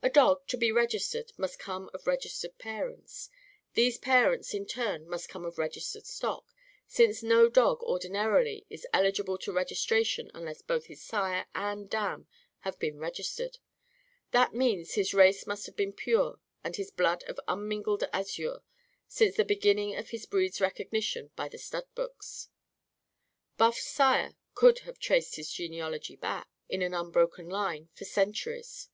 A dog, to be registered, must come of registered parents. These parents, in turn, must come of registered stock; since no dog, ordinarily, is eligible to registration unless both his sire and dam have been registered. That means his race must have been pure and his blood of unmingled azure since the beginning of his breed's recognition by the studbooks. Buff's sire could have traced his genealogy back, in an unbroken line, for centuries.